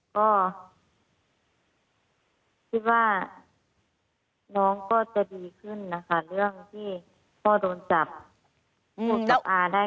ก็คิดว่าน้องก็จะดีขึ้นนะคะเรื่องที่พ่อโดนจับพูดจับอาได้